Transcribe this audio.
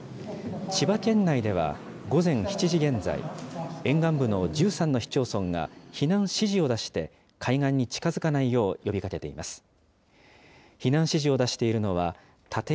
千葉県内では午前７時現在、沿岸部の１３の市町村が避難指示を出して、海岸に近づかないよう呼びかけています。